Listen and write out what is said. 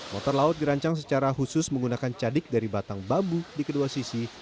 motor laut dirancang secara khusus menggunakan cadik dari batang bambu di kedua sisi